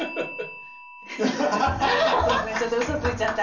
そうですねちょっとウソついちゃった。